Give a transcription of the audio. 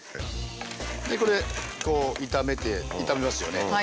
でこれこう炒めて炒めますよね。